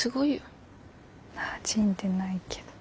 なじんでないけど。